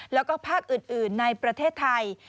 แล้วก็ภาคอื่นในประเทศไทย